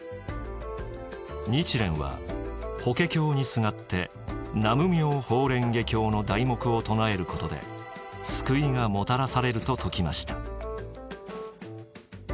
日蓮は「法華経にすがって南無妙法蓮華経の題目を唱えることで救いがもたらされる」と説きました。